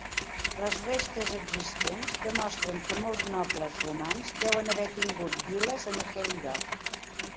Les restes existents demostren que molts nobles romans deuen haver tingut vil·les en aquell lloc.